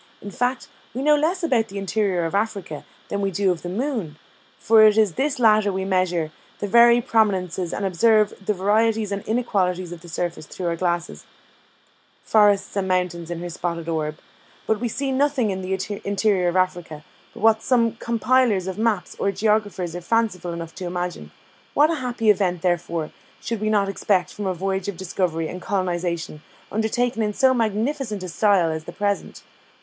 In fact, we know less about the interior of Africa than we do of the moon; for in this latter we measure the very prominences, and observe the varieties and inequalities of the surface through our glasses "Forests and mountains on her spotted orb. "But we see nothing in the interior of Africa, but what some compilers of maps or geographers are fanciful enough to imagine. What a happy event, therefore, should we not expect from a voyage of discovery and colonisation undertaken in so magnificent a style as the present!